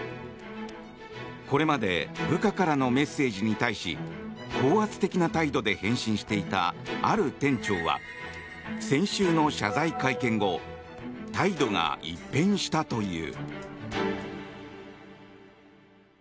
これまで部下からのメッセージに対し高圧的な態度で返信していたある店長は先週の謝罪会見後態度が一変したという。